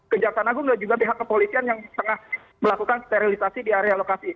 kejaksaan agung dan juga pihak kepolisian yang tengah melakukan sterilisasi di area lokasi